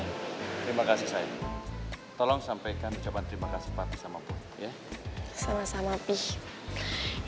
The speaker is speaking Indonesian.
terima kasih sayang tolong sampaikan ucapan terima kasih sama boy ya sama sama pih